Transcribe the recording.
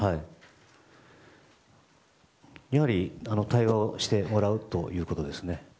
対話をしてもらうということですね。